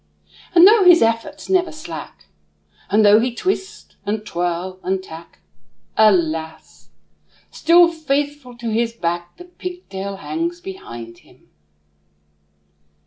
And though his efforts never slack, And though he twist, and twirl, and tack, Alas! still faithful to his back The pigtail hangs behind him.